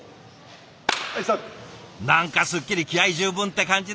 何かすっきり気合い十分って感じですね。